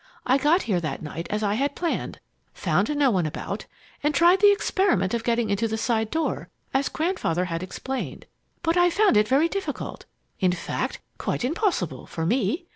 I got here that night as I had planned, found no one about, and tried the experiment of getting into the side door, as Grandfather had explained, but I found it very difficult; in fact, quite impossible for _me!